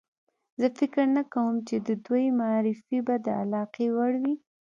زه فکر نه کوم چې د دوی معرفي به د علاقې وړ وي.